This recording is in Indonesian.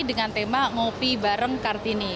dengan tema ngopi bareng kartini